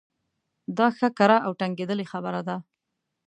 دا ښه کره او ټنګېدلې خبره ده.